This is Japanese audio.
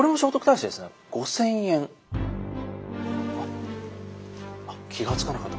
あっあっ気が付かなかった。